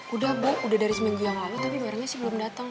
udah bu udah dari seminggu yang lalu tapi merahnya sih belum datang